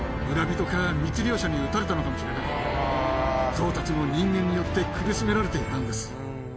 ゾウたちも人間によって苦しめられていたんです。